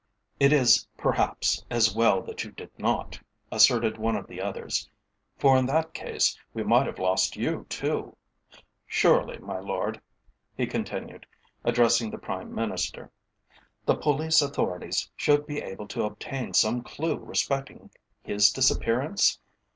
"It is, perhaps, as well that you did not," asserted one of the others, "for in that case we might have lost you too. Surely my Lord," he continued, addressing the Prime Minister, "the Police Authorities should be able to obtain some clue respecting his disappearance?